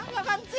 enggak kan jen